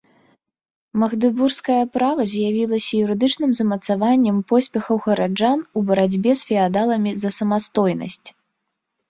Магдэбургскае права з'явілася юрыдычным замацаваннем поспехаў гараджан у барацьбе з феадаламі за самастойнасць.